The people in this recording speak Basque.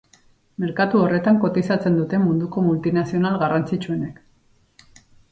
Merkatu horretan kotizatzen dute munduko multinazional garrantzitsuenek.